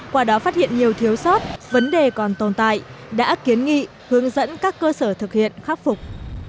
qua đó phát hiện nhiều thiếu sót vấn đề còn tồn tại đã kiến nghị hướng dẫn các cơ sở thực hiện khắc phục